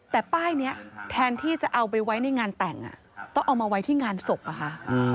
แต่ป้ายนี้แทนที่จะเอาไปไว้ในงานแต่งต้องเอามาไว้ที่งานศพอะค่ะ